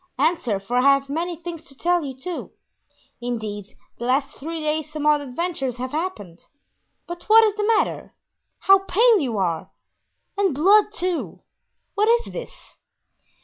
Answer, for I have many things to tell you, too; indeed, the last three days some odd adventures have happened—but what is the matter? how pale you are! and blood, too! What is this?"